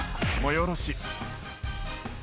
「よろしい」